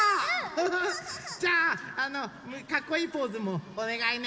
じゃあかっこいいポーズもおねがいね！